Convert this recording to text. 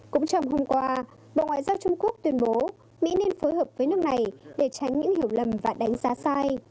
cũng trong hôm qua bộ ngoại giao trung quốc tuyên bố mỹ nên phối hợp với nước này để tránh những hiểu lầm và đánh giá sai